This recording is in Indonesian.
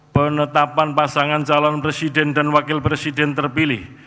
penetapan pasangan calon presiden dan wakil presiden terpilih